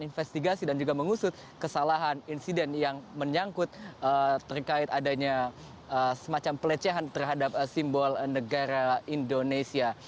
investigasi dan juga mengusut kesalahan insiden yang menyangkut terkait adanya semacam pelecehan terhadap simbol negara indonesia